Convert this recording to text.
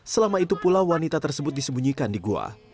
selama itu pula wanita tersebut disembunyikan di gua